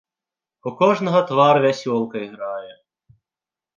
У кожнага твар вясёлкай грае.